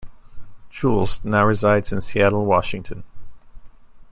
Jules now resides in Seattle, Washington.